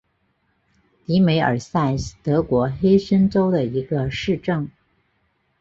迪梅尔塞是德国黑森州的一个市镇。